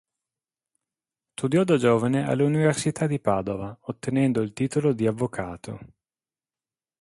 Studiò da giovane all'università di Padova, ottenendo il titolo di avvocato.